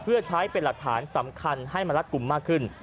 เพื่อใช้เป็นหลักฐานสำคัญให้มารัดกลุ่มมากขึ้น